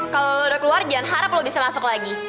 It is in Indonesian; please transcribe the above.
kalo lo udah keluar jangan harap lo bisa masuk lagi